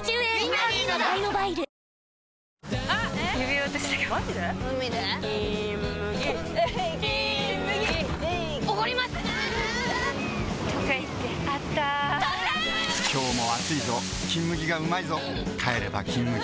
今日も暑いぞ「金麦」がうまいぞ帰れば「金麦」